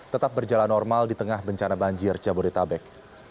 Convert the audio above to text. tetap berjalan normal di tengah bencana banjir jabodetabek